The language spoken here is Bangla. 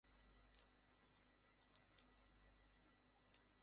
আল্লাহর কিতাব তাওরাতের নির্দেশ মুতাবিক তিনি তাদের প্রশাসন কার্য পরিচালনা করতেন।